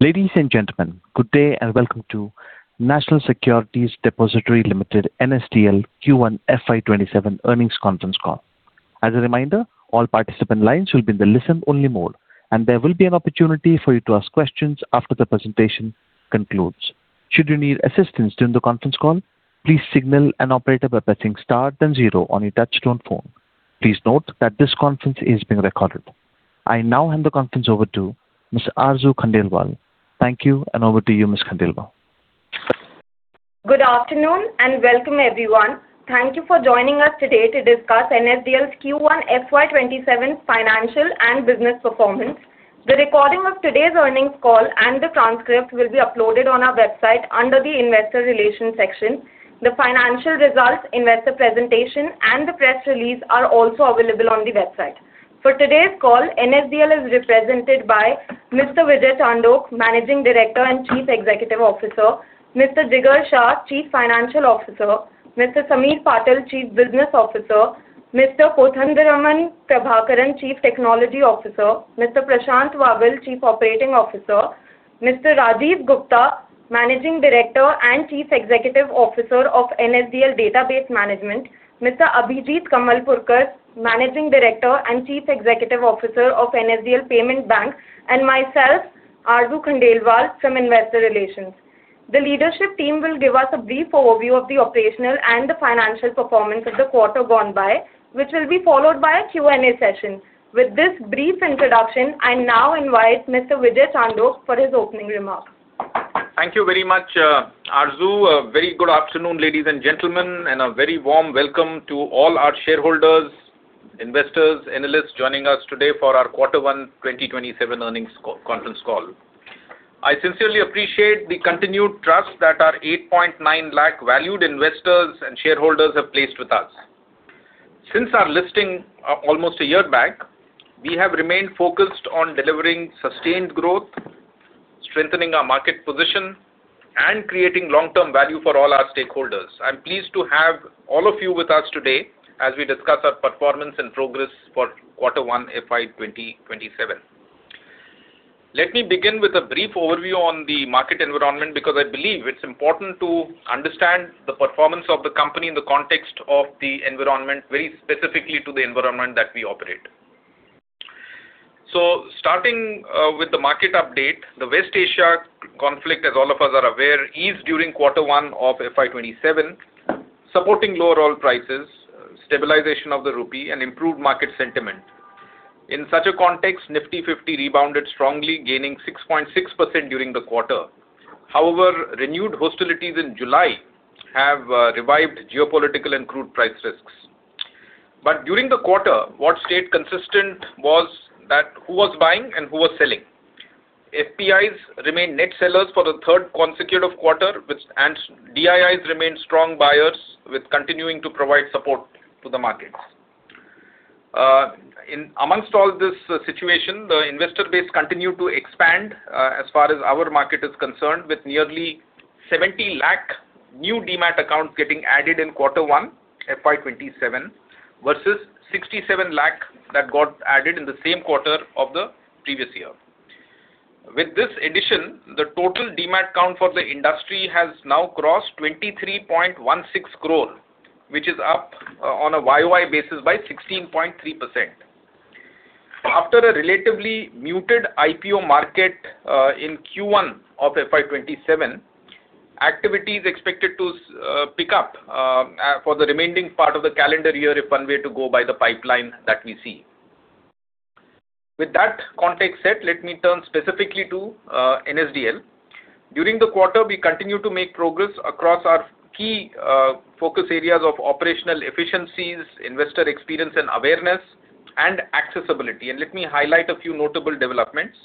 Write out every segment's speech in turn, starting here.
Ladies and gentlemen, good day and welcome to National Securities Depository Limited, NSDL, Q1 FY 2027 earnings conference call. As a reminder, all participant lines will be in the listen-only mode, and there will be an opportunity for you to ask questions after the presentation concludes. Should you need assistance during the conference call, please signal an operator by pressing star then zero on your touch-tone phone. Please note that this conference is being recorded. I now hand the conference over to Ms. Aarzoo Khandelwal. Thank you, and over to you, Ms. Khandelwal. Good afternoon, and welcome everyone. Thank you for joining us today to discuss NSDL's Q1 FY 2027 financial and business performance. The recording of today's earnings call and the transcript will be uploaded on our website under the investor relations section. The financial results, investor presentation, and the press release are also available on the website. For today's call, NSDL is represented by Mr. Vijay Chandok, Managing Director and Chief Executive Officer, Mr. Jigar Shah, Chief Financial Officer, Mr. Sameer Patil, Chief Business Officer, Mr. Kothandaraman Prabhakaran, Chief Technology Officer, Mr. Prashant Vagal, Chief Operating Officer, Mr. Rajiv Gupta, Managing Director and Chief Executive Officer of NSDL Database Management, Mr. Abhijit Kamalapurkar, Managing Director and Chief Executive Officer of NSDL Payments Bank, and myself, Aarzoo Khandelwal from Investor Relations. The leadership team will give us a brief overview of the operational and the financial performance of the quarter gone by, which will be followed by a Q&A session. With this brief introduction, I now invite Mr. Vijay Chandok for his opening remarks. Thank you very much, Aarzoo. A very good afternoon, ladies and gentlemen, and a very warm welcome to all our shareholders, investors, analysts joining us today for our Quarter 1 2027 earnings conference call. I sincerely appreciate the continued trust that our 8.9 lakh valued investors and shareholders have placed with us. Since our listing almost a year back, we have remained focused on delivering sustained growth, strengthening our market position, and creating long-term value for all our stakeholders. I am pleased to have all of you with us today as we discuss our performance and progress for Quarter 1 FY 2027. Let me begin with a brief overview on the market environment, because I believe it is important to understand the performance of the company in the context of the environment, very specifically to the environment that we operate. Starting with the market update, the West Asia conflict, as all of us are aware, eased during Quarter one of FY 2027, supporting lower oil prices, stabilization of the rupee, and improved market sentiment. In such a context, Nifty 50 rebounded strongly, gaining 6.6% during the quarter. Renewed hostilities in July have revived geopolitical and crude price risks. During the quarter, what stayed consistent was that who was buying and who was selling. FPIs remained net sellers for the third consecutive quarter, and DIIs remained strong buyers with continuing to provide support to the markets. Amongst all this situation, the investor base continued to expand as far as our market is concerned, with nearly 70 lakh new Demat accounts getting added in Quarter 1 FY 2027 versus 67 lakh that got added in the same quarter of the previous year. With this addition, the total Demat count for the industry has now crossed 23.16 crore, which is up on a year-over-year basis by 16.3%. After a relatively muted IPO market, in Q1 of FY 2027, activity is expected to pick up for the remaining part of the calendar year if one were to go by the pipeline that we see. With that context set, let me turn specifically to NSDL. During the quarter, we continued to make progress across our key focus areas of operational efficiencies, investor experience and awareness, and accessibility. Let me highlight a few notable developments.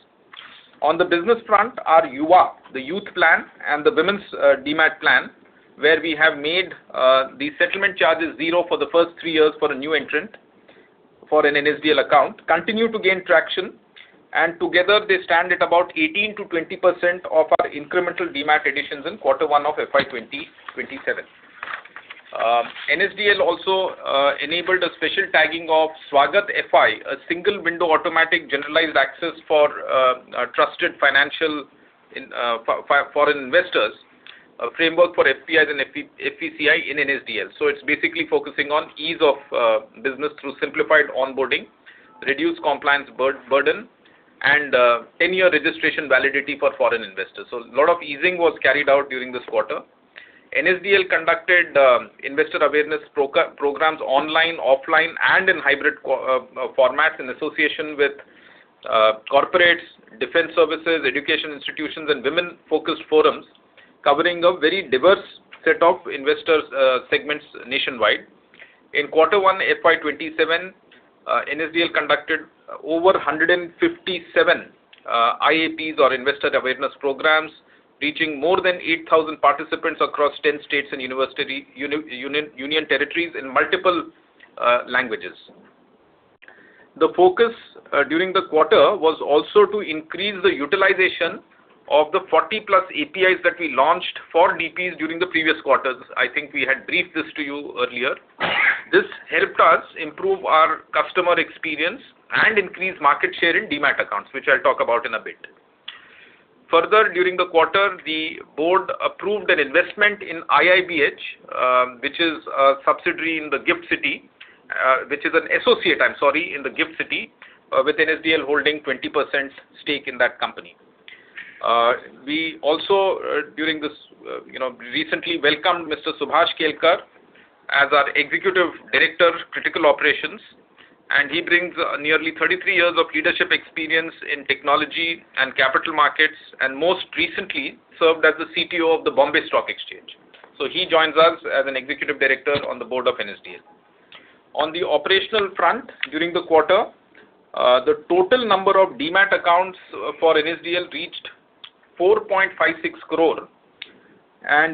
On the business front, our YUP, the youth plan, and the women's Demat plan, where we have made the settlement charges zero for the first three years for a new entrant for an NSDL account, continue to gain traction, and together they stand at about 18%-20% of our incremental Demat additions in Quarter one of FY 2027. NSDL also enabled a special tagging of SWAGAT-FI, a single window automatic generalized access for trusted financial foreign investors framework for FPIs and FVCI in NSDL. It's basically focusing on ease of business through simplified onboarding, reduced compliance burden, and 10-year registration validity for foreign investors. A lot of easing was carried out during this quarter. NSDL conducted investor awareness programs online, offline, and in hybrid formats in association with corporates, defense services, education institutions, and women-focused forums covering a very diverse set of investor segments nationwide. In Quarter one FY 2027, NSDL conducted over 157 IAPs or investor awareness programs, reaching more than 8,000 participants across 10 states and union territories in multiple languages. The focus during the quarter was also to increase the utilization of the 40-plus APIs that we launched for DPs during the previous quarters. I think we had briefed this to you earlier. This helped us improve our customer experience and increase market share in Demat accounts, which I'll talk about in a bit. During the quarter, the board approved an investment in IIBH, which is a subsidiary in the GIFT City, which is an associate, I'm sorry, in the GIFT City, with NSDL holding 20% stake in that company. We also, during this, recently welcomed Mr. Subhash Kelkar as our Executive Director, Critical Operations. He brings nearly 33 years of leadership experience in technology and capital markets, and most recently served as the CTO of the Bombay Stock Exchange. He joins us as an executive director on the board of NSDL. On the operational front, during the quarter, the total number of Demat accounts for NSDL reached 4.56 crore.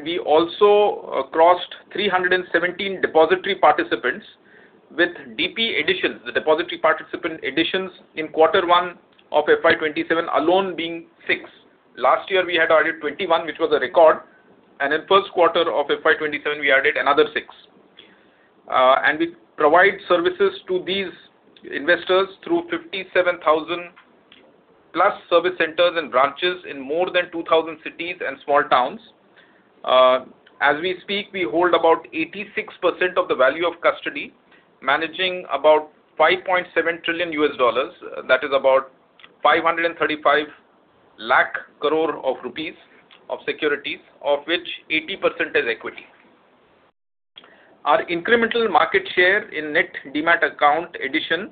We also crossed 317 depository participants with DP additions, the depository participant additions in Q1 of FY 2027 alone being six. Last year, we had added 21, which was a record, and in Q1 of FY 2027, we added another six. We provide services to these investors through 57,000-plus service centers and branches in more than 2,000 cities and small towns. As we speak, we hold about 86% of the value of custody, managing about $5.7 trillion U.S. dollars. That is about 535 lakh crore rupees of securities, of which 80% is equity. Our incremental market share in net Demat account addition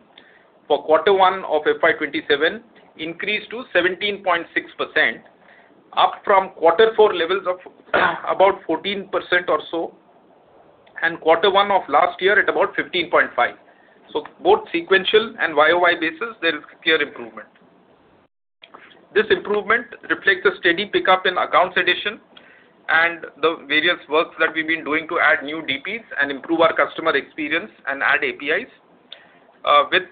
for Q1 of FY 2027 increased to 17.6%, up from Q4 levels of about 14% or so, and Q1 of last year at about 15.5%. Both sequential and YOY basis, there is clear improvement. This improvement reflects a steady pickup in accounts addition and the various works that we've been doing to add new DPs and improve our customer experience and add APIs. With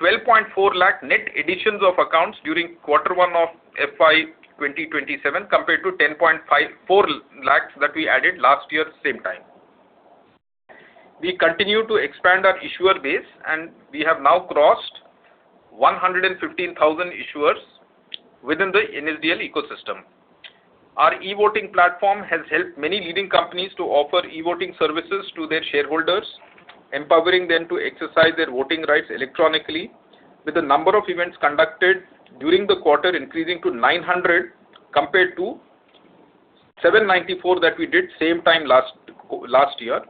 12.4 lakh net additions of accounts during Quarter 1 of FY 2027 compared to 10.54 lakhs that we added last year same time. We continue to expand our issuer base, and we have now crossed 115,000 issuers within the NSDL ecosystem. Our e-voting platform has helped many leading companies to offer e-voting services to their shareholders, empowering them to exercise their voting rights electronically, with the number of events conducted during the quarter increasing to 900 compared to 794 that we did same time last year,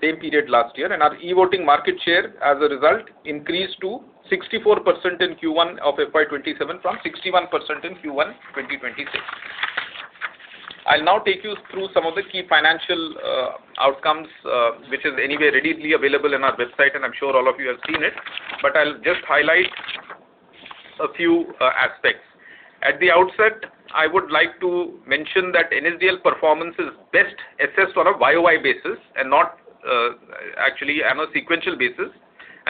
same period last year. Our e-voting market share, as a result, increased to 64% in Q1 of FY 2027 from 61% in Q1 2026. I'll now take you through some of the key financial outcomes, which is anyway readily available in our website, and I'm sure all of you have seen it, but I'll just highlight a few aspects. At the outset, I would like to mention that NSDL performance is best assessed on a YOY basis, and not actually on a sequential basis.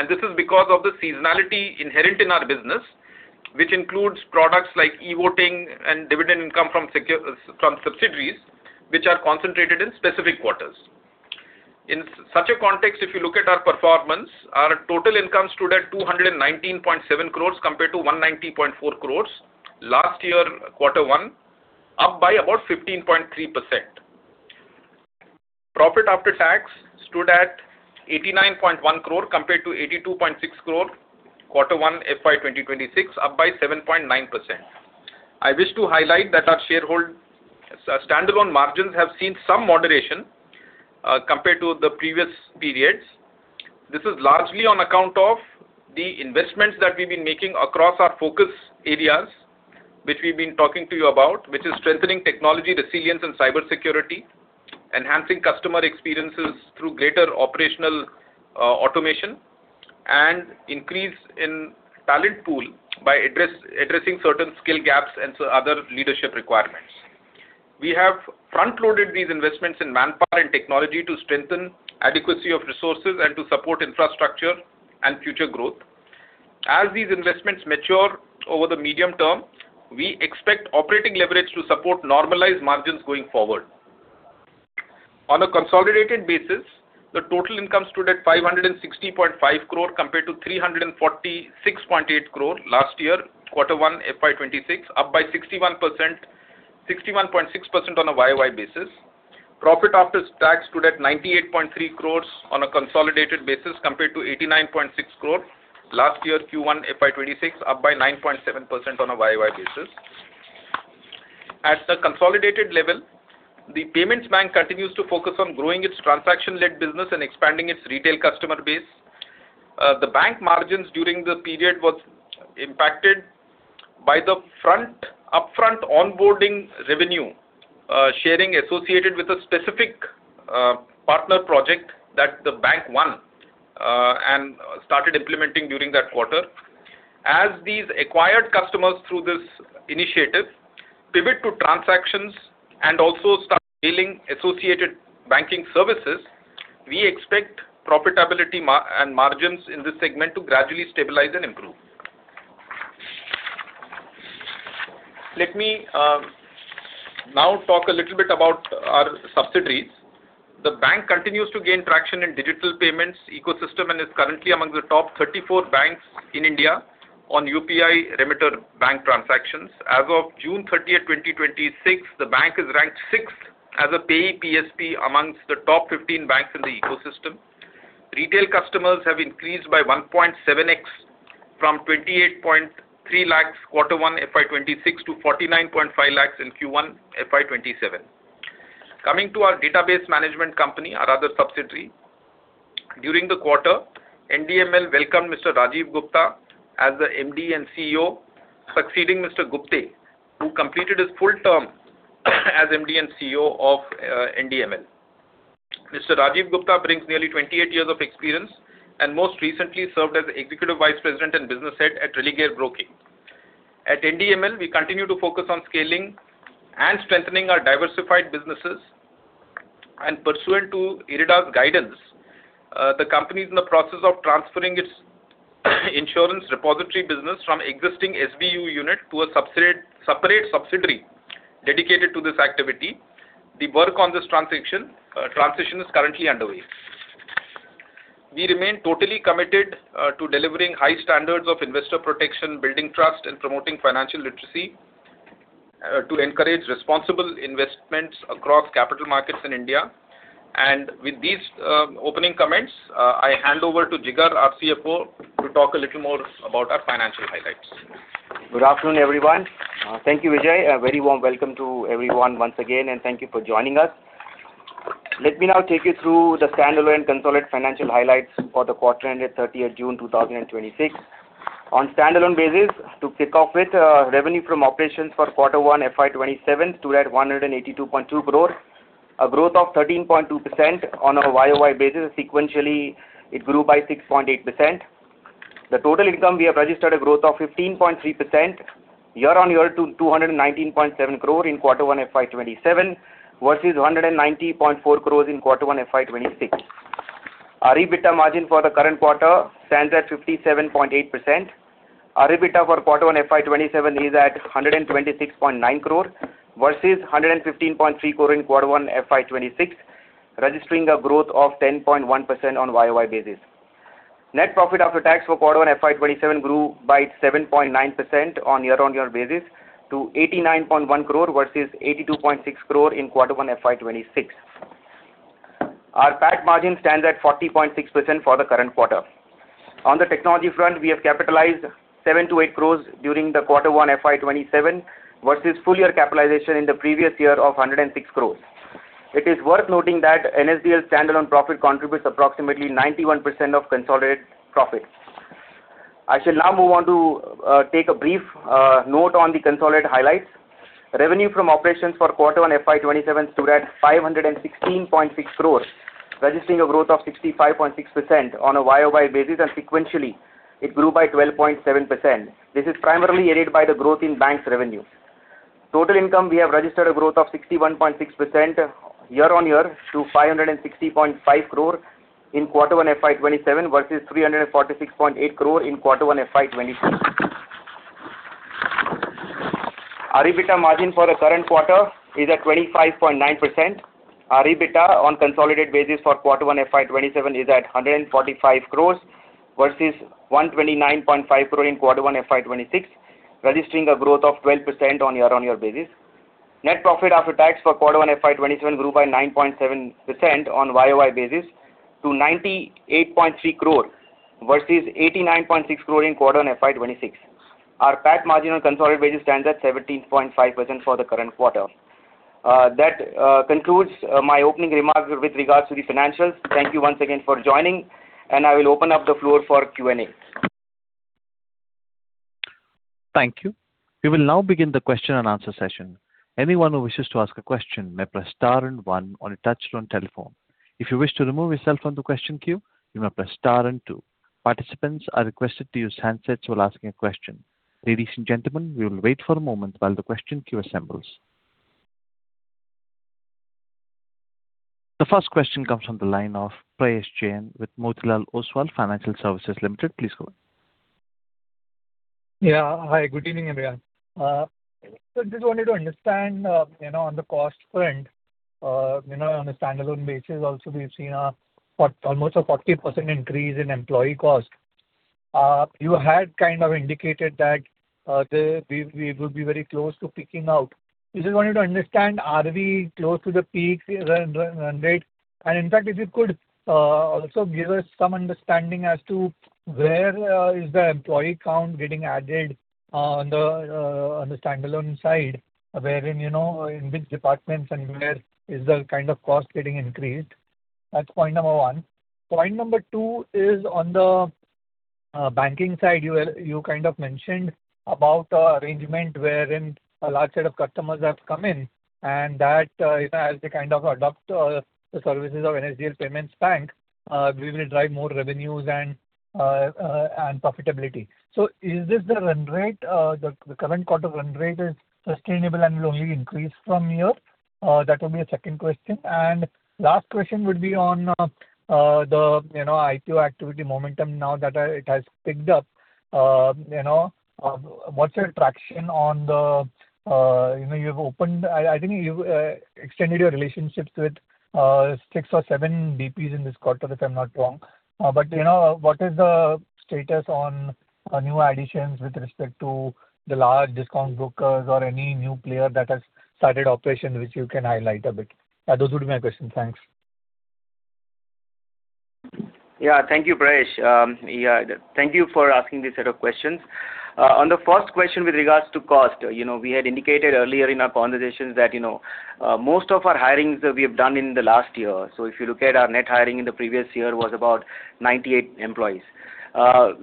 This is because of the seasonality inherent in our business, which includes products like e-voting and dividend income from subsidiaries, which are concentrated in specific quarters. In such a context, if you look at our performance, our total income stood at 219.7 crore compared to 190.4 crore last year Q1, up by about 15.3%. Profit after tax stood at 89.1 crore compared to 82.6 crore Q1 FY 2026, up by 7.9%. I wish to highlight that our standalone margins have seen some moderation compared to the previous periods. This is largely on account of the investments that we've been making across our focus areas, which we've been talking to you about, which is strengthening technology resilience and cybersecurity, enhancing customer experiences through greater operational automation, and increase in talent pool by addressing certain skill gaps and other leadership requirements. We have front-loaded these investments in manpower and technology to strengthen adequacy of resources and to support infrastructure and future growth. As these investments mature over the medium term, we expect operating leverage to support normalized margins going forward. On a consolidated basis, the total income stood at 560.5 crore compared to 346.8 crore last year, Q1 FY 2026, up by 61.6% on a year-over-year basis. Profit after tax stood at 98.3 crore on a consolidated basis compared to 89.6 crore last year Q1 FY 2026, up by 9.7% on a year-over-year basis. At the consolidated level, the Payments Bank continues to focus on growing its transaction-led business and expanding its retail customer base. The bank margins during the period was impacted by the upfront onboarding revenue sharing associated with a specific partner project that the bank won and started implementing during that quarter. As these acquired customers through this initiative pivot to transactions and also start availing associated banking services, we expect profitability and margins in this segment to gradually stabilize and improve. Let me now talk a little bit about our subsidiaries. The bank continues to gain traction in digital payments ecosystem and is currently among the top 34 banks in India on UPI remitter bank transactions. As of June 30th, 2026, the bank is ranked sixth as a pay PSP amongst the top 15 banks in the ecosystem. Retail customers have increased by 1.7x from 28.3 lakh Q1 FY 2026 to 49.5 lakh in Q1 FY 2027. Coming to our database management company, our other subsidiary. During the quarter, NDML welcomed Mr. Rajiv Gupta as the MD and CEO, succeeding Mr. Gupte, who completed his full term as MD and CEO of NDML. Mr. Rajiv Gupta brings nearly 28 years of experience, and most recently served as Executive Vice President and Business Head at Religare Broking. At NDML, we continue to focus on scaling and strengthening our diversified businesses. Pursuant to IRDAI's guidance, the company is in the process of transferring its Insurance Repository business from existing SIU unit to a separate subsidiary dedicated to this activity. The work on this transition is currently underway. We remain totally committed to delivering high standards of investor protection, building trust, and promoting financial literacy to encourage responsible investments across capital markets in India. With these opening comments, I hand over to Jigar, our CFO, to talk a little more about our financial highlights. Good afternoon, everyone. Thank you, Vijay. A very warm welcome to everyone once again, and thank you for joining us. Let me now take you through the standalone consolidated financial highlights for the quarter ended 30th June 2026. On standalone basis, to kick off with, revenue from operations for Q1 FY 2027 stood at 182.2 crore, a growth of 13.2% on a year-over-year basis. Sequentially, it grew by 6.8%. The total income we have registered a growth of 15.3% year-over-year to INR 219.7 crore in Q1 FY 2027 versus 190.4 crore in Q1 FY 2026. Our EBITDA margin for the current quarter stands at 57.8%. Our EBITDA for Q1 FY 2027 is at 126.9 crore versus 115.3 crore in Q1 FY 2026, registering a growth of 10.1% on year-over-year basis. Net profit after tax for quarter one FY 2027 grew by 7.9% on year-on-year basis to 89.1 crore versus 82.6 crore in quarter one FY 2026. Our PAT margin stands at 40.6% for the current quarter. On the technology front, we have capitalized 7 crore-8 crore during the quarter one FY 2027 versus full year capitalization in the previous year of 106 crore. It is worth noting that NSDL standalone profit contributes approximately 91% of consolidated profits. I shall now move on to take a brief note on the consolidated highlights. Revenue from operations for quarter one FY 2027 stood at 516.6 crore, registering a growth of 65.6% on a YOY basis, and sequentially it grew by 12.7%. This is primarily aided by the growth in banking services revenue. Total income we have registered a growth of 61.6% year-on-year to 560.5 crore in quarter one FY 2027 versus 346.8 crore in quarter one FY 2026. Our EBITDA margin for the current quarter is at 25.9%. Our EBITDA on consolidated basis for quarter one FY 2027 is at 145 crore versus 129.5 crore in quarter one FY 2026, registering a growth of 12% on year-on-year basis. Net profit after tax for quarter one FY 2027 grew by 9.7% on YOY basis to 98.3 crore versus 89.6 crore in quarter one FY 2026. Our PAT margin on consolidated basis stands at 17.5% for the current quarter. That concludes my opening remarks with regards to the financials. Thank you once again for joining, and I will open up the floor for Q&A. Thank you. We will now begin the question and answer session. Anyone who wishes to ask a question may press star and one on a touch-tone telephone. If you wish to remove yourself from the question queue, you may press star and two. Participants are requested to use handsets while asking a question. Ladies and gentlemen, we will wait for a moment while the question queue assembles. The first question comes from the line of Prayesh Jain with Motilal Oswal Financial Services Limited. Please go ahead. Yeah. Hi, good evening, everyone. Just wanted to understand, on the cost front, on a standalone basis also, we've seen almost a 40% increase in employee cost. You had kind of indicated that we would be very close to peaking out. We just wanted to understand, are we close to the peak run rate? In fact, if you could also give us some understanding as to where is the employee count getting added on the standalone side, wherein in which departments and where is the cost getting increased? That's point number one. Point number two is on the banking side, you kind of mentioned about a arrangement wherein a large set of customers have come in, and that as they adopt the services of NSDL Payments Bank, we will drive more revenues and profitability. Is the current quarter run rate is sustainable and will only increase from here? That will be my second question. Last question would be on the IPO activity momentum now that it has picked up. What's your traction on the I think you extended your relationships with six or seven BPs in this quarter, if I'm not wrong. What is the status on new additions with respect to the large discount brokers or any new player that has started operation, which you can highlight a bit? Those would be my questions. Thanks. Yeah. Thank you, Prayesh. Thank you for asking this set of questions. On the first question with regards to cost, we had indicated earlier in our conversations that most of our hirings we have done in the last year. If you look at our net hiring in the previous year was about 98 employees.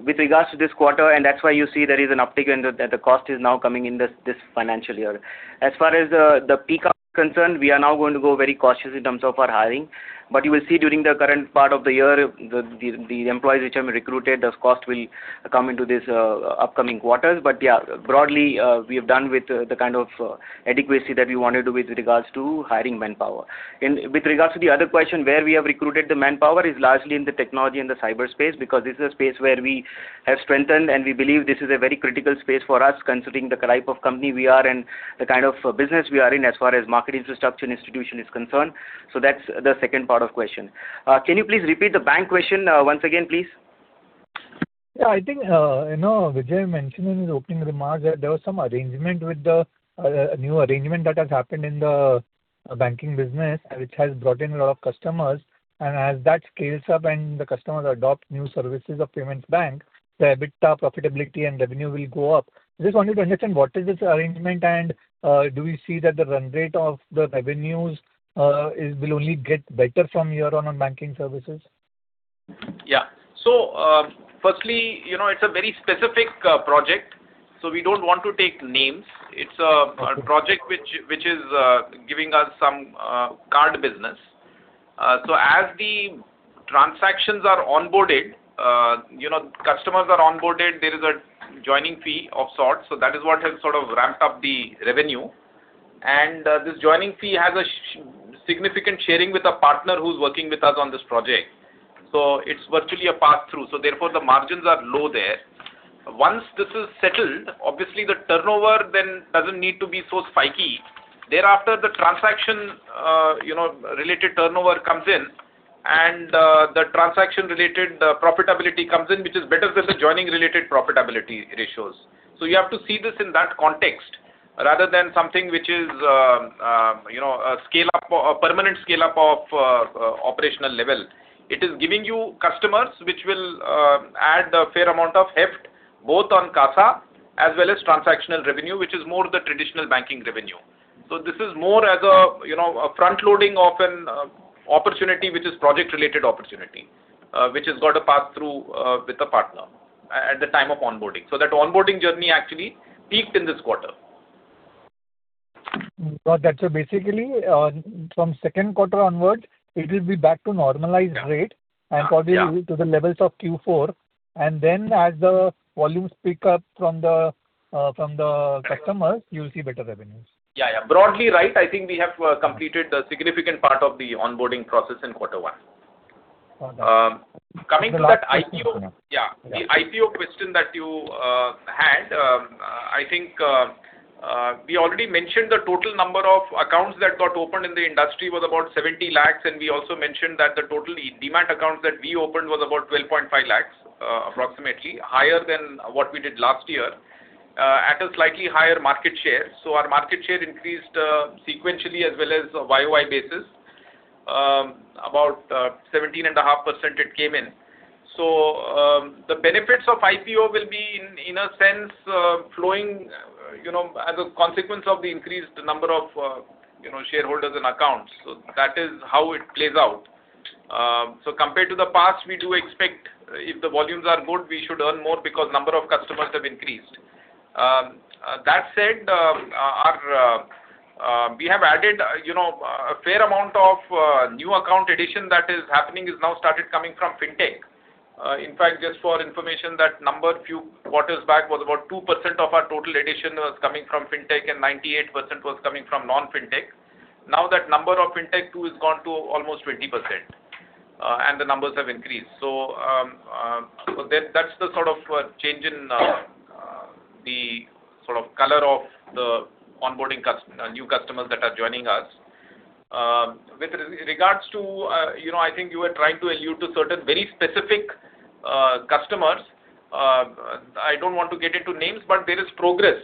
With regards to this quarter, and that's why you see there is an uptick and the cost is now coming in this financial year. As far as the peak is concerned, we are now going to go very cautious in terms of our hiring. You will see during the current part of the year, the employees which have been recruited, those costs will come into these upcoming quarters. Yeah, broadly, we have done with the kind of adequacy that we wanted with regards to hiring manpower. With regards to the other question, where we have recruited the manpower is largely in the technology and the cyberspace, because this is a space where we have strengthened and we believe this is a very critical space for us considering the type of company we are and the kind of business we are in as far as market infrastructure and institution is concerned. That's the second part of question. Can you please repeat the bank question once again, please? Yeah, I think Vijay mentioned in his opening remarks that there was a new arrangement that has happened in the banking business, which has brought in a lot of customers. As that scales up and the customers adopt new services of payments bank, the EBITDA profitability and revenue will go up. Just wanted to understand what is this arrangement and do we see that the run rate of the revenues will only get better from here on banking services? Firstly, it's a very specific project, so we don't want to take names. It's a project which is giving us some card business. As the transactions are onboarded, customers are onboarded, there is a joining fee of sorts. That is what has sort of ramped up the revenue. This joining fee has a significant sharing with a partner who's working with us on this project. It's virtually a pass-through. Therefore, the margins are low there. Once this is settled, obviously the turnover then doesn't need to be so spiky. Thereafter, the transaction-related turnover comes in, and the transaction-related profitability comes in, which is better than the joining-related profitability ratios. You have to see this in that context rather than something which is a permanent scale-up of operational level. It is giving you customers which will add a fair amount of heft, both on CASA as well as transactional revenue, which is more the traditional banking revenue. This is more as a front-loading of an opportunity, which is project-related opportunity, which has got a pass-through with a partner at the time of onboarding. That onboarding journey actually peaked in this quarter. Got that. Basically, from second quarter onwards, it will be back to normalized rate and probably to the levels of Q4. As the volumes pick up from the customers, you'll see better revenues. Yeah. Broadly right. I think we have completed the significant part of the onboarding process in Q1. Well done. Coming to that IPO. The IPO question that you had, I think we already mentioned the total number of accounts that got opened in the industry was about 70 lakhs, and we also mentioned that the total Demat accounts that we opened was about 12.5 lakhs, approximately, higher than what we did last year, at a slightly higher market share. Our market share increased sequentially as well as a year-over-year basis. About 17.5% it came in. The benefits of IPO will be in a sense flowing as a consequence of the increased number of shareholders and accounts. That is how it plays out. Compared to the past, we do expect if the volumes are good, we should earn more because number of customers have increased. That said, we have added a fair amount of new account addition that is happening is now started coming from fintech. In fact, just for information, that number a few quarters back was about 2% of our total addition was coming from fintech and 98% was coming from non-fintech. Now that number of fintech too has gone to almost 20%, and the numbers have increased. That's the sort of change in the sort of color of the onboarding new customers that are joining us. With regards to, I think you were trying to allude to certain very specific customers. I don't want to get into names, but there is progress.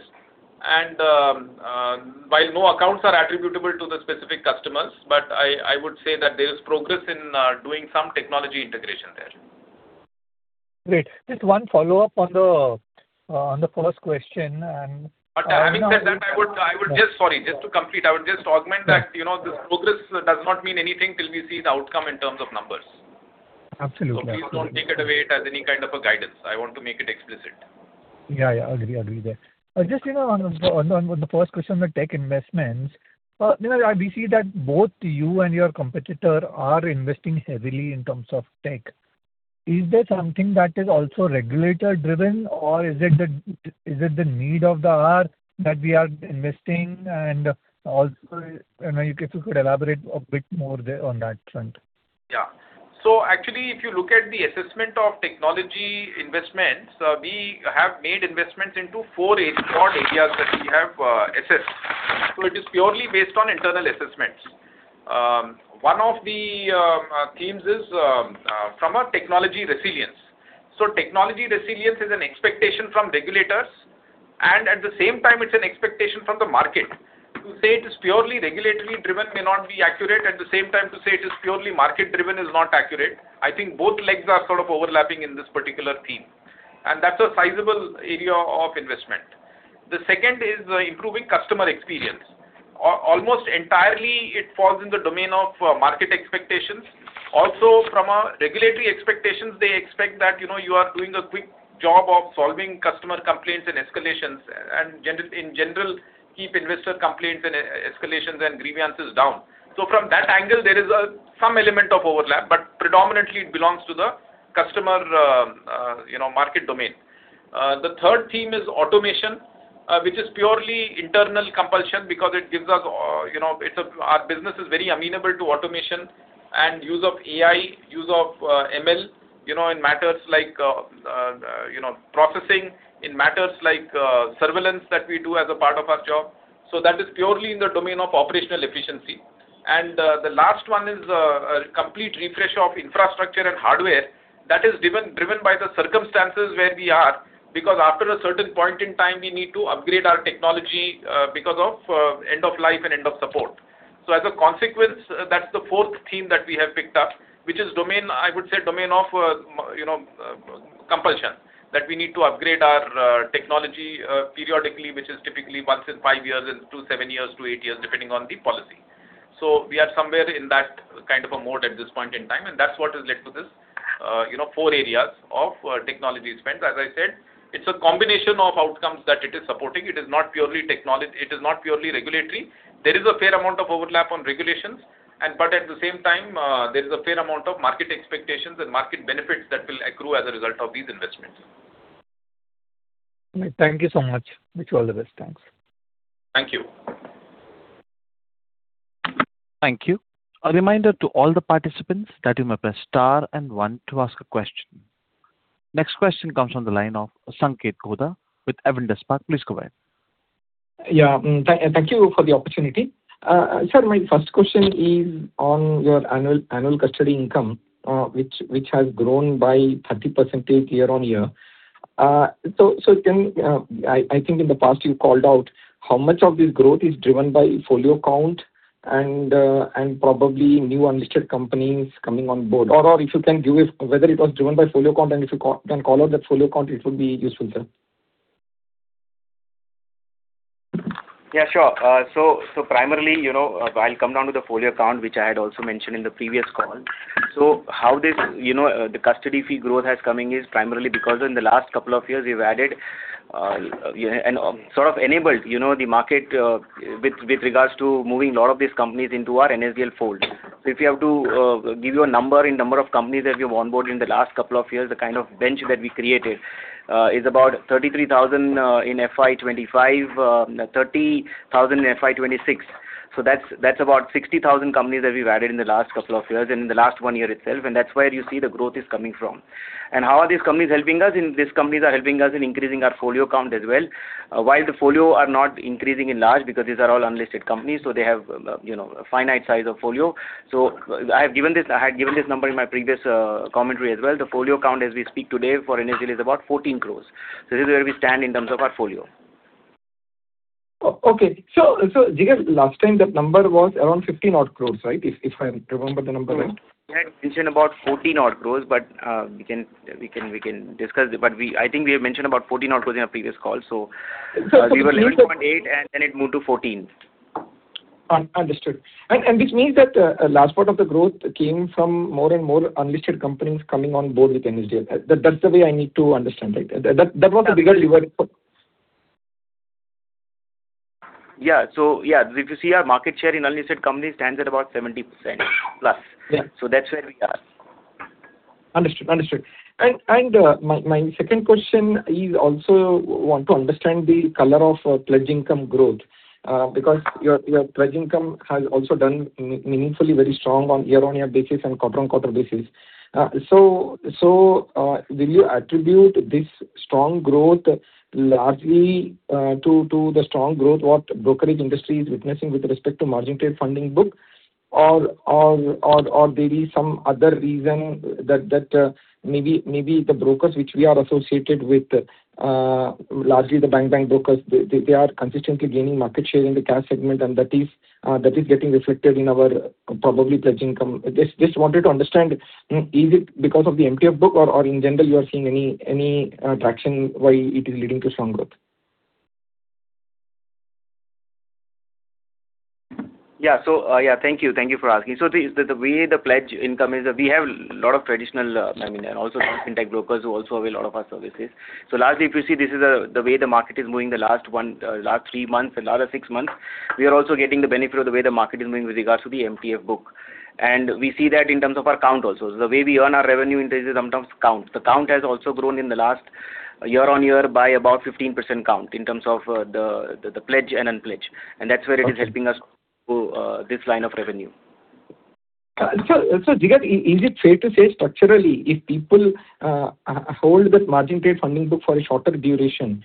While no accounts are attributable to the specific customers, but I would say that there is progress in doing some technology integration there. Great. Just one follow-up on the first question. Having said that, Sorry, just to complete, I would just augment that this progress does not mean anything till we see the outcome in terms of numbers. Absolutely. Please don't take it away as any kind of a guidance. I want to make it explicit. Yeah. Agree there. Just on the first question on the tech investments, we see that both you and your competitor are investing heavily in terms of tech. Is there something that is also regulator-driven or is it the need of the hour that we are investing? Also, if you could elaborate a bit more there on that front. Yeah. Actually, if you look at the assessment of technology investments, we have made investments into four broad areas that we have assessed. It is purely based on internal assessments. One of the themes is from our technology resilience. Technology resilience is an expectation from regulators, at the same time, it's an expectation from the market. To say it is purely regulatory-driven may not be accurate. At the same time, to say it is purely market-driven is not accurate. I think both legs are sort of overlapping in this particular theme, that's a sizable area of investment. The second is improving customer experience. Almost entirely it falls in the domain of market expectations. From a regulatory expectations, they expect that you are doing a quick job of solving customer complaints and escalations, in general, keep investor complaints and escalations and grievances down. From that angle, there is some element of overlap, predominantly it belongs to the customer market domain. The third theme is automation, which is purely internal compulsion because our business is very amenable to automation and use of AI, use of ML, in matters like processing, in matters like surveillance that we do as a part of our job. That is purely in the domain of operational efficiency. The last one is a complete refresh of infrastructure and hardware that is driven by the circumstances where we are, because after a certain point in time, we need to upgrade our technology because of end of life and end of support. As a consequence, that's the fourth theme that we have picked up, which is, I would say, domain of compulsion, that we need to upgrade our technology periodically, which is typically once in five years to seven years to eight years, depending on the policy. We are somewhere in that kind of a mode at this point in time, that's what has led to this four areas of technology spend. As I said, it's a combination of outcomes that it is supporting. It is not purely regulatory. There is a fair amount of overlap on regulations, but at the same time, there is a fair amount of market expectations and market benefits that will accrue as a result of these investments. Thank you so much. Wish you all the best. Thanks. Thank you. Thank you. A reminder to all the participants that you may press star and one to ask a question. Next question comes from the line of Sanketh Godha with Avendus Spark. Please go ahead. Yeah. Thank you for the opportunity. Sir, my first question is on your annual custody income, which has grown by 30% year-over-year. I think in the past you called out how much of this growth is driven by folio count and probably new unlisted companies coming on board. If you can give us whether it was driven by folio count, and if you can call out that folio count, it would be useful, sir. Yeah, sure. Primarily, I'll come down to the folio count, Vijay which also mentioned in the previous call. How the custody fee growth has coming is primarily because in the last couple of years, we've added and sort of enabled the market with regards to moving a lot of these companies into our NSDL fold. If I have to give you a number in number of companies that we have onboarded in the last couple of years, the kind of bench that we created is about 33,000 in FY 2025, 30,000 in FY 2026. That's about 60,000 companies that we've added in the last couple of years and in the last one year itself, and that's where you see the growth is coming from. How are these companies helping us? These companies are helping us in increasing our folio count as well. While the folio are not increasing in large because these are all unlisted companies, so they have a finite size of folio. I have given this number in my previous commentary as well. The folio count as we speak today for NSDL is about 14 crores. This is where we stand in terms of our folio. Okay. Jigar, last time that number was around 15 crore, right? If I remember the number right. We had mentioned about 14 crore, we can discuss it. I think we have mentioned about 14 crore in our previous call. We were 11.8 and then it moved to 14. Understood. This means that a large part of the growth came from more and more unlisted companies coming on board with NSDL. That's the way I need to understand, right? That was the bigger driver for-- Yeah. If you see our market share in unlisted companies stands at about 70% plus. Yeah. That's where we are. Understood. My second question is also want to understand the color of pledge income growth. Your pledge income has also done meaningfully very strong on year-on-year basis and quarter-on-quarter basis. Will you attribute this strong growth largely to the strong growth what brokerage industry is witnessing with respect to margin trade funding book? There is some other reason that maybe the brokers which we are associated with, largely the bank brokers, they are consistently gaining market share in the cash segment and that is getting reflected in our probably pledge income. Just wanted to understand, is it because of the MTF book or in general you are seeing any traction why it is leading to strong growth? Yeah. Thank you for asking. The way the pledge income is, we have a lot of traditional, and also a lot of fintech brokers who also avail a lot of our services. Largely, if you see this is the way the market is moving the last three months and the last six months. We are also getting the benefit of the way the market is moving with regards to the MTF book. We see that in terms of our count also. The way we earn our revenue increases sometimes count. The count has also grown in the last year-on-year by about 15% count in terms of the pledge and unpledge. That's where it is helping us to this line of revenue. Jigar, is it fair to say structurally, if people hold this margin trade funding book for a shorter duration,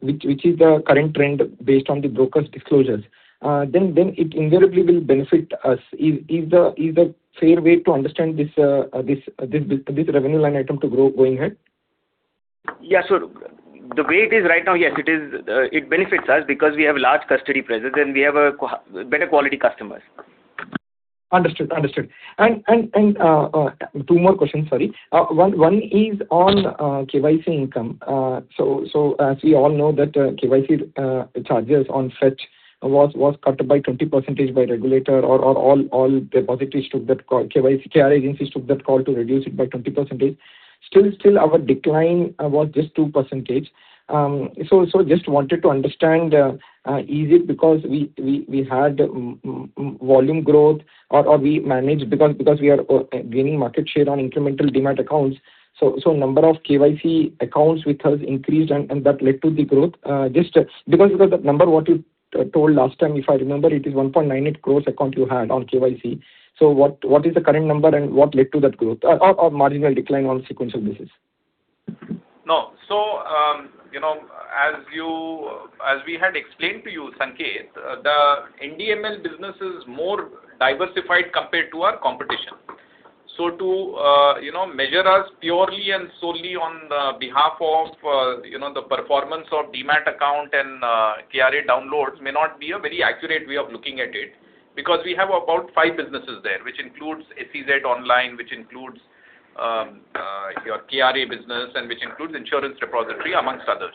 which is the current trend based on the brokers disclosures, then it invariably will benefit us? Is the fair way to understand this revenue line item to grow going ahead? The way it is right now, yes, it benefits us because we have large custody presence and we have better quality customers. Understood. Two more questions, sorry. One is on KYC income. As we all know that KYC charges on fetch was cut by 20% by regulator or all depositories took that call, KRA agencies took that call to reduce it by 20%. Still our decline was just 2%. Just wanted to understand, is it because we had volume growth or we managed because we are gaining market share on incremental Demat accounts, so number of KYC accounts with us increased and that led to the growth? Because the number what you told last time, if I remember it is 1.98 crore account you had on KYC. What is the current number and what led to that growth or marginal decline on sequential basis? As we had explained to you, Sanketh, the NDML business is more diversified compared to our competition. To measure us purely and solely on the behalf of the performance of Demat account and KRA downloads may not be a very accurate way of looking at it, because we have about five businesses there, which includes SEZ Online, which includes your KRA business, and which includes Insurance Repository, amongst others.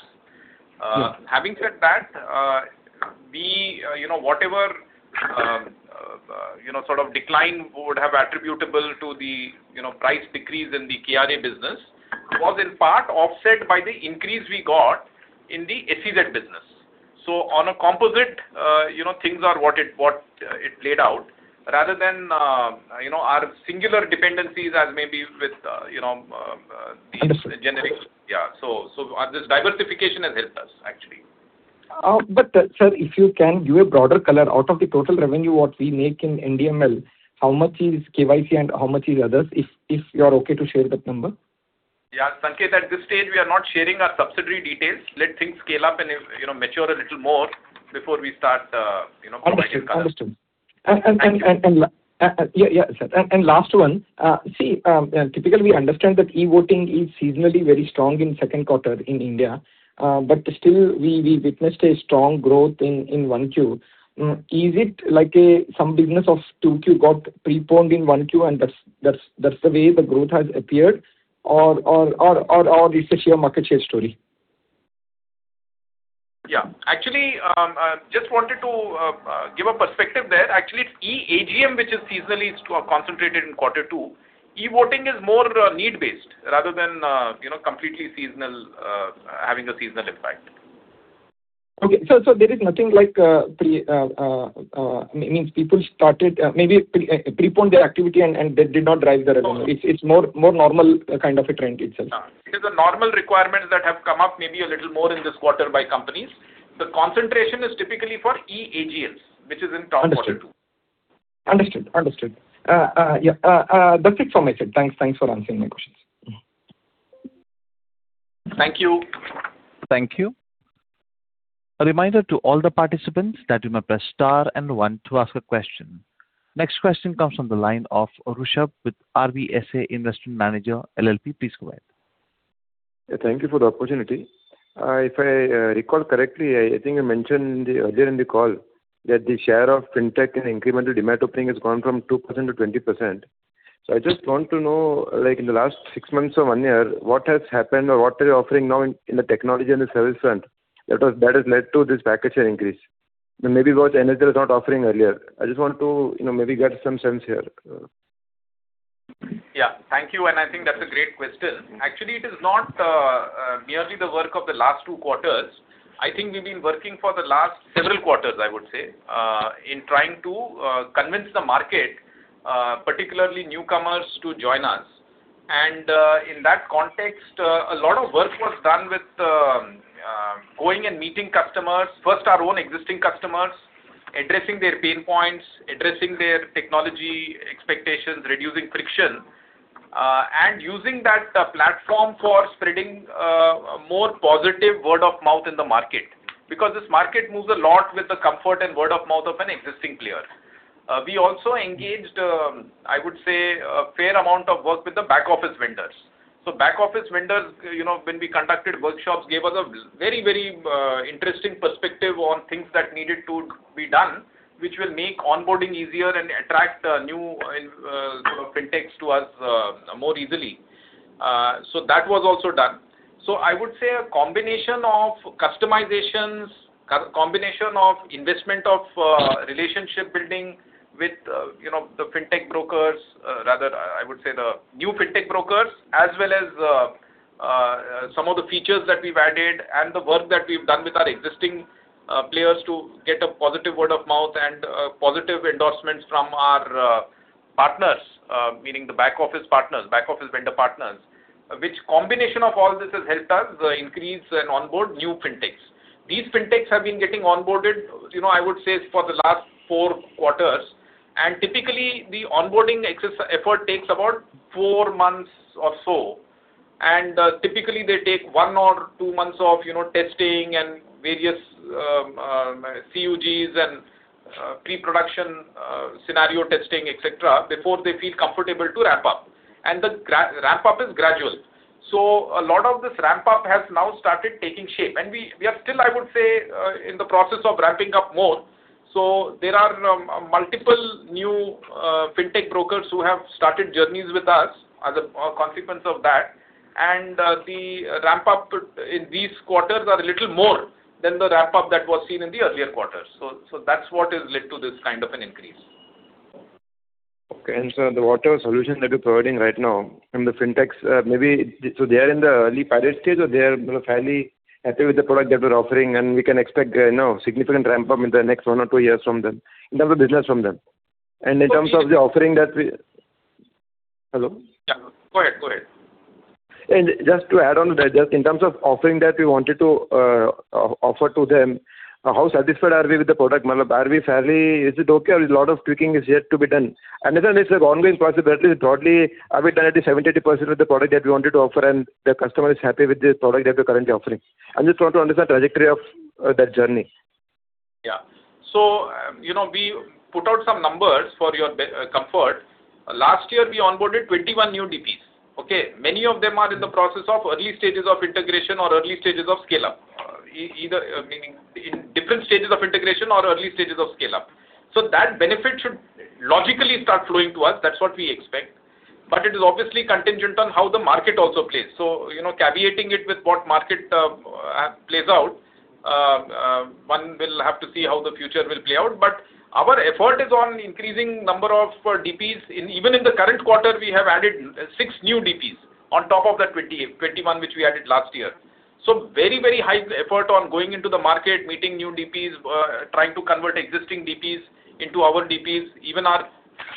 Having said that, whatever sort of decline would have attributable to the price decrease in the KRA business was in part offset by the increase we got in the SEZ business. On a composite, things are what it laid out rather than our singular dependencies as maybe with these generics. Understood. Yeah. This diversification has helped us actually. Sir, if you can give a broader color out of the total revenue what we make in NDML, how much is KYC and how much is others, if you are okay to share that number? Yeah, Sanketh, at this stage, we are not sharing our subsidiary details. Let things scale up and mature a little more before we start providing color. Understood. Last one. See, typically we understand that e-voting is seasonally very strong in second quarter in India. Still we witnessed a strong growth in 1Q. Is it like some business of 2Q got preponed in 1Q and that's the way the growth has appeared? Or it's a sheer market share story? Yeah. Actually, just wanted to give a perspective there. Actually, it's eAGM which is seasonally concentrated in quarter two. E-voting is more need-based rather than completely having a seasonal impact. Okay. There is nothing like, means people started maybe preponed their activity and they did not drive the revenue. No. It's more normal kind of a trend itself. It is a normal requirement that have come up maybe a little more in this quarter by companies. The concentration is typically for eAGMs, which is in quarter two. Understood. Yeah. That's it from my side. Thanks for answering my questions. Thank you. Thank you. A reminder to all the participants that you may press star and one to ask a question. Next question comes from the line of Rushabh with RBSA Investment Manager LLP. Please go ahead. Thank you for the opportunity. If I recall correctly, I think you mentioned earlier in the call that the share of fintech and incremental Demat opening has gone from 2%-20%. I just want to know, like in the last six months or one year, what has happened or what are you offering now in the technology and the service front that has led to this package share increase? That maybe was NSDL was not offering earlier. I just want to maybe get some sense here. Yeah. Thank you. I think that's a great question. Actually, it is not merely the work of the last two quarters. I think we've been working for the last several quarters, I would say, in trying to convince the market, particularly newcomers, to join us. In that context, a lot of work was done with going and meeting customers. First, our own existing customers, addressing their pain points, addressing their technology expectations, reducing friction, and using that platform for spreading more positive word of mouth in the market. Because this market moves a lot with the comfort and word of mouth of an existing player. We also engaged, I would say, a fair amount of work with the back office vendors. Back office vendors, when we conducted workshops, gave us a very interesting perspective on things that needed to be done, which will make onboarding easier and attract new sort of fintechs to us more easily. That was also done. I would say a combination of customizations, combination of investment of relationship building with the fintech brokers, rather I would say the new fintech brokers as well as some of the features that we've added and the work that we've done with our existing players to get a positive word of mouth and positive endorsements from our partners meaning the back office vendor partners, which combination of all this has helped us increase and onboard new fintechs. These fintechs have been getting onboarded, I would say, for the last 4 quarters. Typically, the onboarding effort takes about four months or so. Typically, they take one or two months of testing and various CUGs and pre-production scenario testing, et cetera, before they feel comfortable to ramp up. The ramp up is gradual. A lot of this ramp up has now started taking shape. We are still, I would say, in the process of ramping up more. There are multiple new fintech brokers who have started journeys with us as a consequence of that. The ramp up in these quarters are a little more than the ramp up that was seen in the earlier quarters. That's what has led to this kind of an increase. Okay. Sir, the whatever solution that you're providing right now from the fintechs, they are in the early pilot stage, or they are fairly happy with the product that we're offering, and we can expect significant ramp up in the next one or two years from them in terms of business from them? In terms of the offering that we Hello? Yeah. Correct. Just to add on to that, just in terms of offering that we wanted to offer to them, how satisfied are we with the product? Is it okay or a lot of tweaking is yet to be done? Is this like ongoing process, at least broadly, are we done at least 70%-80% with the product that we wanted to offer and the customer is happy with the product that we're currently offering? I just want to understand trajectory of that journey. Yeah. We put out some numbers for your comfort. Last year we onboarded 21 new DPs. Okay? Many of them are in the process of early stages of integration or early stages of scale-up, either meaning in different stages of integration or early stages of scale up. That benefit should logically start flowing to us. That's what we expect. It is obviously contingent on how the market also plays. Caveating it with what market plays out, one will have to see how the future will play out. Our effort is on increasing number of DPs. Even in the current quarter, we have added six new DPs on top of that 21 which we added last year. Very high effort on going into the market, meeting new DPs, trying to convert existing DPs into our DPs. Even our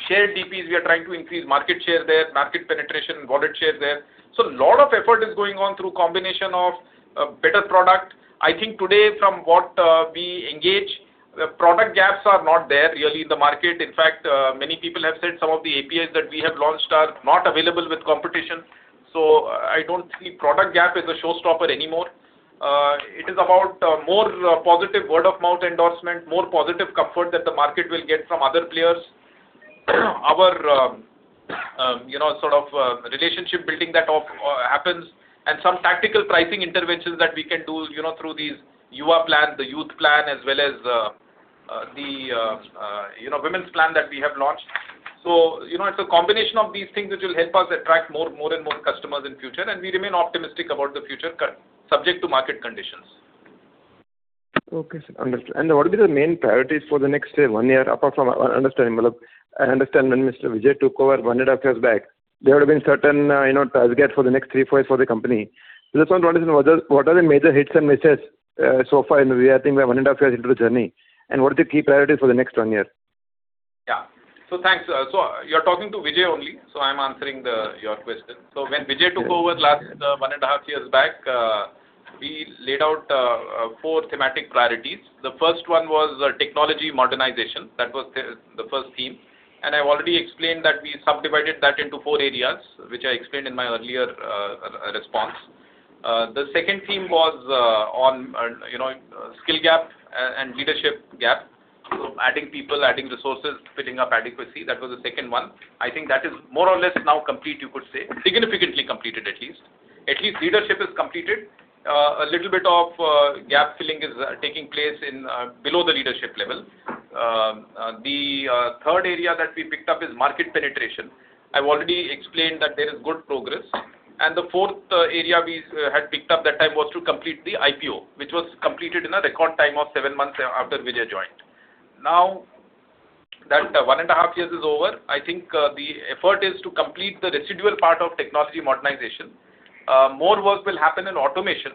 shared DPs, we are trying to increase market share there, market penetration and wallet share there. A lot of effort is going on through combination of better product. I think today from what we engage, the product gaps are not there really in the market. In fact, many people have said some of the APIs that we have launched are not available with competition. I don't see product gap as a showstopper anymore. It is about more positive word of mouth endorsement, more positive comfort that the market will get from other players. Our sort of relationship building that happens and some tactical pricing interventions that we can do through these YUva Plan, the youth plan, as well as the women's plan that we have launched. It's a combination of these things which will help us attract more and more customers in future. We remain optimistic about the future subject to market conditions. Okay, sir. Understood. What will be the main priorities for the next one year apart from I understand when Mr. Vijay took over one and a half years back, there would have been certain targets for the next three, four years for the company. Just want to understand what are the major hits and misses so far in the way I think we are one and a half years into the journey, and what are the key priorities for the next one year? Yeah. Thanks. You're talking to Vijay only, so I'm answering your question. When Vijay took over last one and a half years back, we laid out four thematic priorities. The first one was technology modernization. That was the first theme. I've already explained that we subdivided that into four areas, which I explained in my earlier response. The second theme was on skill gap and leadership gap. Adding people, adding resources, fitting up adequacy. That was the second one. I think that is more or less now complete, you could say. Significantly completed at least. At least leadership is completed. A little bit of gap filling is taking place below the leadership level. The third area that we picked up is market penetration. I've already explained that there is good progress. The fourth area we had picked up that time was to complete the IPO, which was completed in a record time of seven months after Vijay joined. Now that one and a half years is over, I think the effort is to complete the residual part of technology modernization. More work will happen in automation.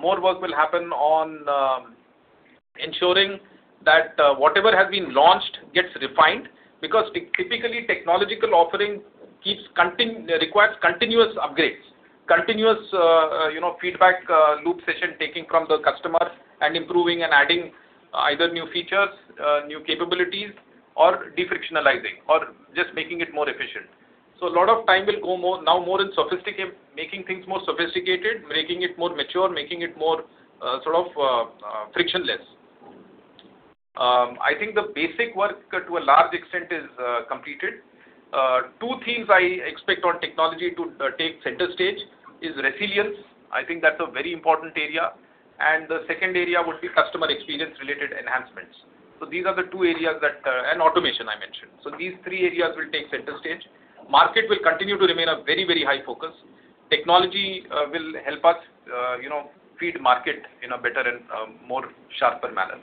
More work will happen on ensuring that whatever has been launched gets refined because typically technological offering requires continuous upgrades, continuous feedback loop session taking from the customer and improving and adding either new features, new capabilities, or defrictionalyzing or just making it more efficient. A lot of time will go now more in making things more sophisticated, making it more mature, making it more sort of frictionless. I think the basic work to a large extent is completed. Two things I expect on technology to take center stage is resilience. I think that's a very important area, and the second area would be customer experience related enhancements. These are the two areas. Automation I mentioned. These three areas will take center stage. Market will continue to remain a very high focus. Technology will help us feed market in a better and more sharper manner.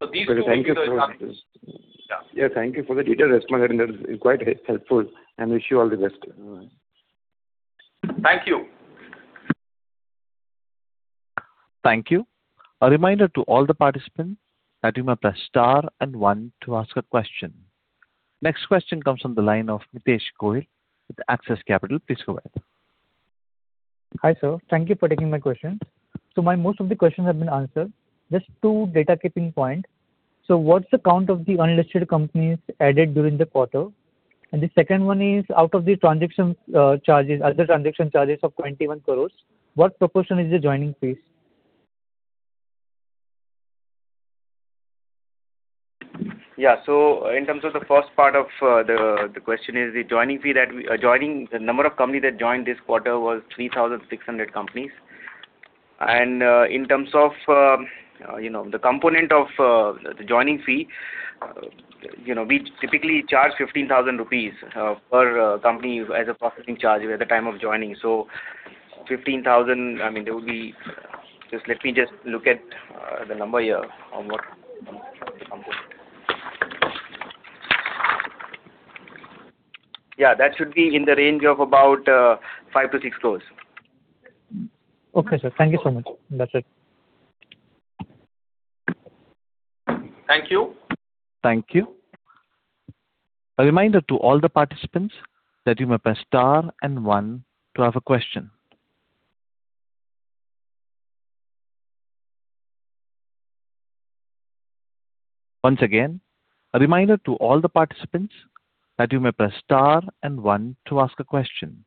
Thank you for the detailed response. It's quite helpful, and wish you all the best. Thank you. Thank you. A reminder to all the participants that you may press star and one to ask a question. Next question comes from the line of Ritesh Goel with Axis Capital. Please go ahead. Hi, sir. Thank you for taking my question. Most of the questions have been answered. Just two data keeping point. What's the count of the unlisted companies added during the quarter? The second one is, out of the other transaction charges of 21 crores, what proportion is the joining fees? In terms of the first part of the question is the number of companies that joined this quarter was 3,600 companies. In terms of the component of the joining fee, we typically charge 15,000 rupees per company as a processing charge at the time of joining. 15,000, let me just look at the number here. That should be in the range of about 5-6 crores. Okay, sir. Thank you so much. That's it. Thank you. Thank you. A reminder to all the participants that you may press star and one to ask a question. Once again, a reminder to all the participants that you may press star and one to ask a question.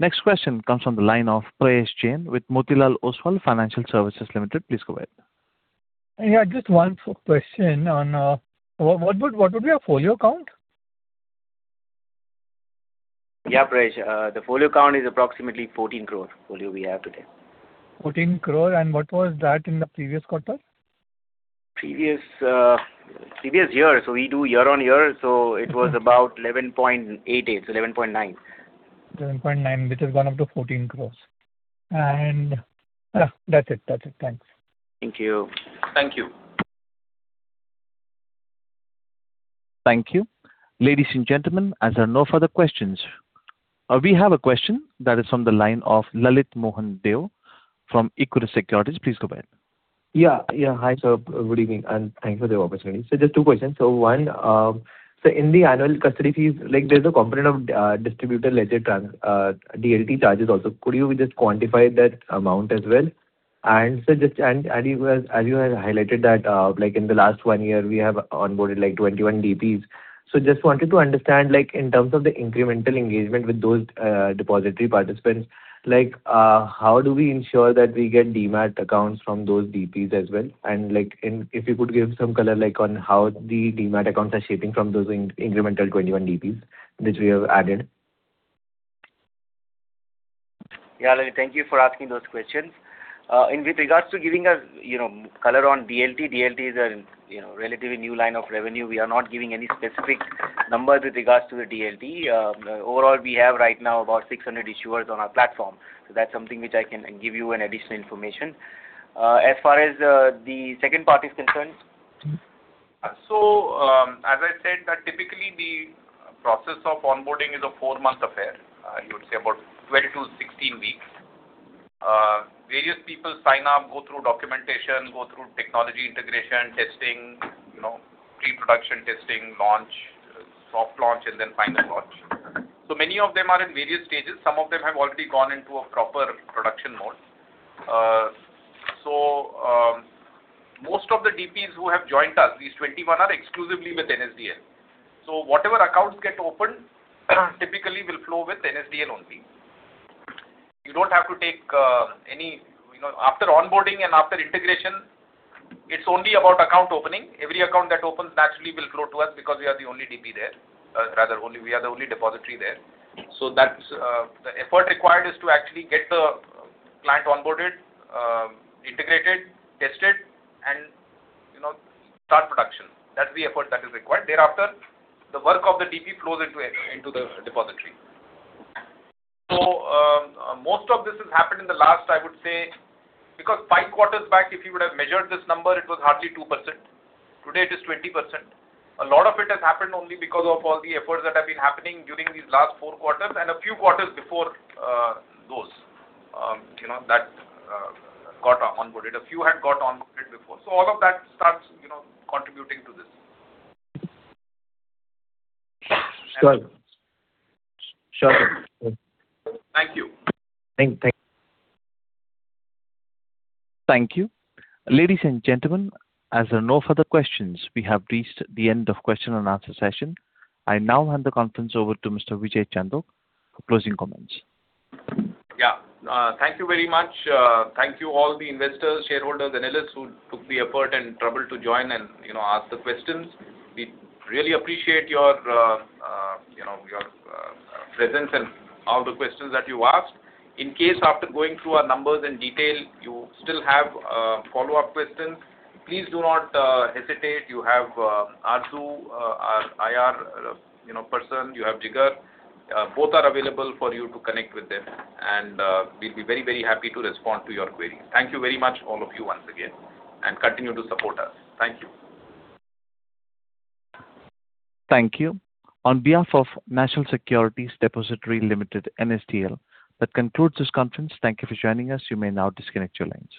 Next question comes from the line of Prayesh Jain with Motilal Oswal Financial Services Limited. Please go ahead. Yeah, just one quick question on what would be our folio count? Yeah, Prayesh. The folio count is approximately 14 crore folio we have today. 14 crore, what was that in the previous quarter? Previous year. We do year-over-year. It was about 11.9. 11.9, which has gone up to 14 crore. That's it. Thanks. Thank you. Thank you. Thank you. Ladies and gentlemen, as there are no further questions. We have a question that is from the line of Lalit Mohan Deo from Equirus Securities. Please go ahead. Yeah. Hi, sir. Good evening, and thanks for the opportunity. Just two questions. One, in the annual custody fees, there's a component of distributed ledger DLT charges also. Could you just quantify that amount as well? Sir, just as you had highlighted that in the last one year, we have onboarded 21 DPs. Just wanted to understand in terms of the incremental engagement with those depository participants, how do we ensure that we get Demat accounts from those DPs as well? If you could give some color on how the Demat accounts are shaping from those incremental 21 DPs which we have added. Yeah, Lalit. Thank you for asking those questions. In with regards to giving us color on DLT. DLT is a relatively new line of revenue. We are not giving any specific numbers with regards to the DLT. Overall, we have right now about 600 issuers on our platform. That's something which I can give you an additional information. As far as the second part is concerned. As I said, typically the process of onboarding is a four-month affair. I would say about 12 to 16 weeks. Various people sign up, go through documentation, go through technology integration, testing, pre-production testing, soft launch, and then final launch. Many of them are in various stages. Some of them have already gone into a proper production mode. Most of the DPs who have joined us, these 21 are exclusively with NSDL. Whatever accounts get opened typically will flow with NSDL only. After onboarding and after integration, it's only about account opening. Every account that opens naturally will flow to us because we are the only depository there. The effort required is to actually get the client onboarded, integrated, tested, and start production. That's the effort that is required. Thereafter, the work of the DP flows into the depository. Most of this has happened in the last, I would say, because five quarters back, if you would have measured this number, it was hardly 2%. Today it is 20%. A lot of it has happened only because of all the efforts that have been happening during these last four quarters and a few quarters before those that got onboarded. A few had got onboarded before. All of that starts contributing to this. Sure. Thank you. Thank you. Thank you. Ladies and gentlemen, as there are no further questions, we have reached the end of question and answer session. I now hand the conference over to Mr. Vijay Chandok for closing comments. Yeah. Thank you very much. Thank you all the investors, shareholders, analysts who took the effort and trouble to join and ask the questions. We really appreciate your presence and all the questions that you asked. In case after going through our numbers in detail, you still have follow-up questions, please do not hesitate. You have Aarzoo, our IR person. You have Jigar. Both are available for you to connect with them. We'll be very happy to respond to your queries. Thank you very much all of you once again, and continue to support us. Thank you. Thank you. On behalf of National Securities Depository Limited, NSDL, that concludes this conference. Thank you for joining us. You may now disconnect your lines.